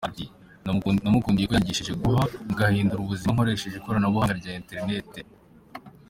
Ati”namukundiye ko yanyigishije guhaha ngahindura ubuzima nkoresheje ikoranabuhanga rya internet.